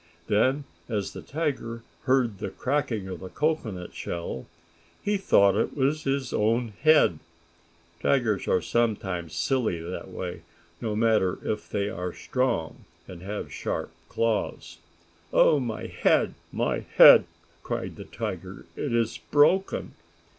Then, as the tiger heard the cracking of the cocoanut shell, he thought it was his own head. Tigers are sometimes silly that way, no matter if they are strong, and have sharp claws. "Oh my head! My head!" cried the tiger. "It is broken!"